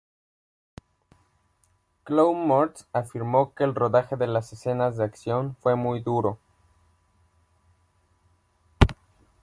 Chloë Moretz afirmó que el rodaje de las escenas de acción fue muy duro.